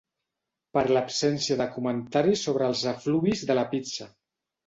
Per l'absència de comentaris sobre els efluvis de la pizza.